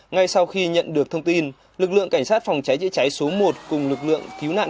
ngay sau khi nhận được thông tin lực lượng cảnh sát phòng cháy chữa cháy số một cùng lực lượng cứu nạn